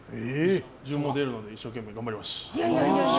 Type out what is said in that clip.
自分も出るので一生懸命頑張ります。